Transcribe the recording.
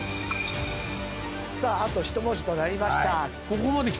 さああと１文字となりました。